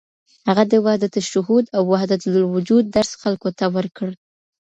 هغه د وحدت الشهود او وحدت الوجود درس خلکو ته ورکړ.